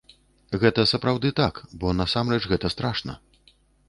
Гэта сапраўды так, бо насамрэч гэта страшна!